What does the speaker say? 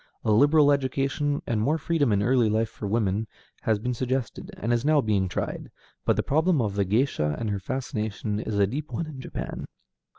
A liberal education, and more freedom in early life for women, has been suggested, and is now being tried, but the problem of the géisha and her fascination is a deep one in Japan.